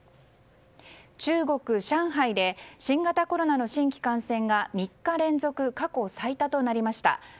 中国・上海で新型コロナの新規感染が３日連続過去最多となりました。